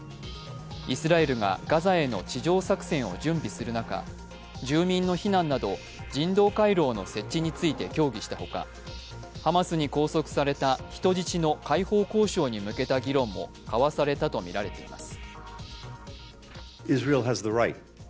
イスラエルがガザへの地上作戦を準備する中、住民の避難など人道回廊の設置について協議したほか、ハマスに拘束された人質の解放交渉に向けた議論も交わされたとみられています。